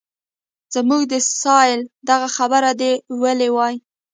زموږ د سایل دغه خبره دې ویلې وای.